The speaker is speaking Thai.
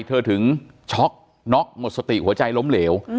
ถึงช็อกน็อกหมดสติหัวใจล้มเหลว